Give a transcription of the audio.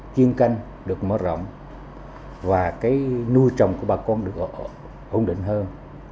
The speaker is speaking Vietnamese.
chuyên canh được mở rộng và cái nuôi trồng của bà con được ổn định hơn